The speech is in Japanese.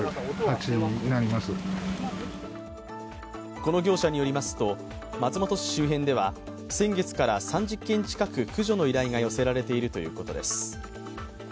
この業者によりますと松本市周辺では先月から３０件近く駆除の依頼が寄せられているということです。